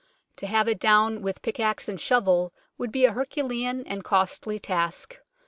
To have it down with pickaxe and shovel would be a herculean and costly task.